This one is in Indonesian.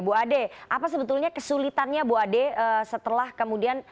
bu ade apa sebetulnya kesulitannya bu ade setelah kemudian